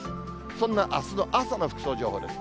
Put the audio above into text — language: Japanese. そんなあすの朝の服装情報です。